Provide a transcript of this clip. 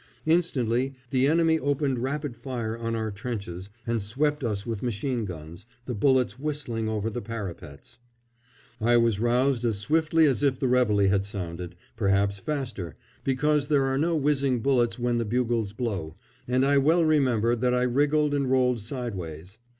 Instantly the enemy opened rapid fire on our trenches and swept us with machine guns, the bullets whistling over the parapets. I was roused as swiftly as if the réveillé had sounded perhaps faster, because there are no whizzing bullets when the bugles blow and I well remember that I wriggled and rolled sideways.